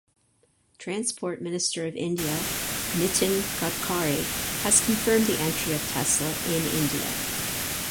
Transport Minister of India Nitin Gadkari has confirmed the entry of Tesla in India.